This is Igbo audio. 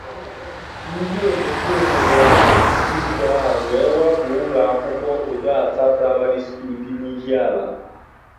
Ndị omekoome nọrọ ụbọchị Tuzdee a wee wakpò ụlọakwụkwọ 'Odoata Primary School' dị n'Ihiala